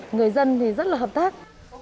người dân thì rất là hợp tác